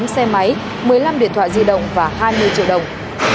bốn xe máy một mươi năm điện thoại di động và hai mươi triệu đồng